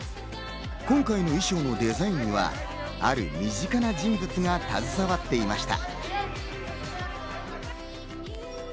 今回の衣装のデザインは、ある身近な人物が携わっていました。